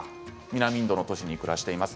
南インドの都市に暮らしています